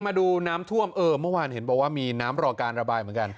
มาดูน้ำท่วมเออเมื่อวานเห็นบอกว่ามีน้ำรอการระบายเหมือนกัน